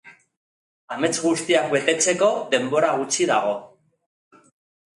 Amets guztiak betetzeko denbora gutxi dago.